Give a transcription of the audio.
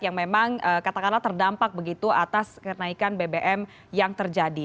yang memang katakanlah terdampak begitu atas kenaikan bbm yang terjadi